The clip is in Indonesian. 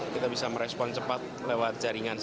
kita bisa merespon cepat lewat jaringan